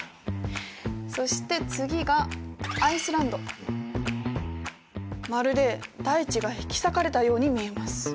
そして次がまるで大地が引き裂かれたように見えます。